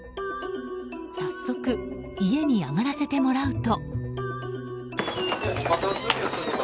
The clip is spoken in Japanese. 早速、家に上がらせてもらうと。